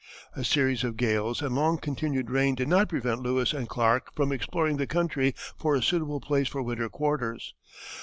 A series of gales and long continued rain did not prevent Lewis and Clark from exploring the country for a suitable place for winter quarters.